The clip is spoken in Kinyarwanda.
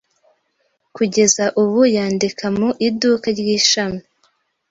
Kugeza ubu, yandika mu iduka ry’ishami.